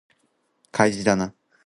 開示だな